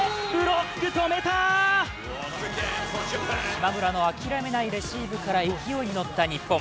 島村のあきらめないレシーブから勢いに乗った日本。